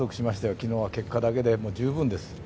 昨日は結果だけで十分です。